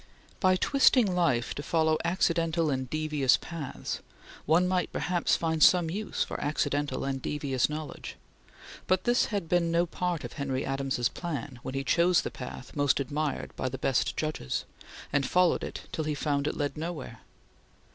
By twisting life to follow accidental and devious paths, one might perhaps find some use for accidental and devious knowledge, but this had been no part of Henry Adams's plan when he chose the path most admired by the best judges, and followed it till he found it led nowhere.